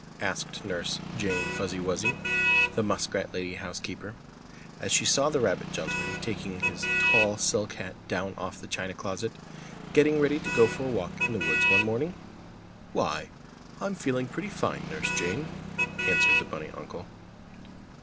asked Nurse Jane Fuzzy Wuzzy, the muskrat lady housekeeper, as she saw the rabbit gentleman taking his tall silk hat down off the china closet, getting ready to go for a walk in the woods one morning. "Why, I'm feeling pretty fine, Nurse Jane," answered the bunny uncle.